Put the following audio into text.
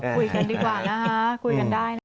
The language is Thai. คุยกันดีกว่านะคะคุยกันได้นะคะ